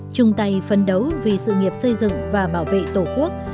chung tay phân đấu vì sự nghiệp xây dựng và bảo vệ tổ quốc